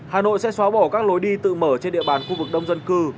hà nội sẽ xóa bỏ các lối đi tự mở trên địa bàn khu vực đông dân cư